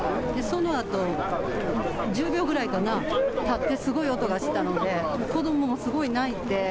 そのあと１０秒くらいかな、たって、すごい音がしたので子どももすごい泣いて。